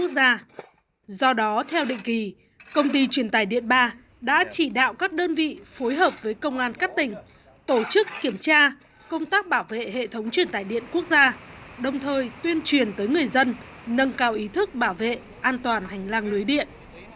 do đó theo định kỳ công ty truyền tài điện ba đã chỉ đạo các đơn vị phối hợp với công an các tỉnh tổ chức kiểm tra công tác bảo vệ hệ thống truyền tải điện quốc gia đồng thời tuyên truyền tới người dân nâng cao ý thức bảo vệ an toàn hành lang lưới điện